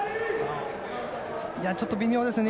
ちょっと微妙ですね。